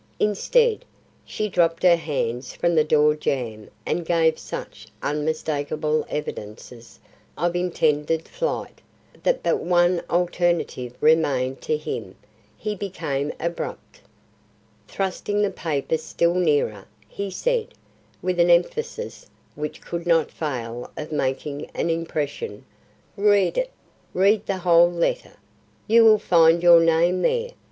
Instead, she dropped her hands from the door jamb and gave such unmistakable evidences of intended flight, that but one alternative remained to him; he became abrupt. Thrusting the paper still nearer, he said, with an emphasis which could not fail of making an impression, "Read it. Read the whole letter. You will find your name there.